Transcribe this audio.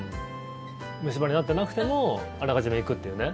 虫歯になってなくてもあらかじめ行くというね。